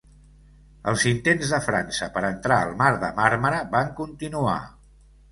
Els intents de França per entrar al Mar de Màrmara van continuar.